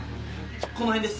この辺です。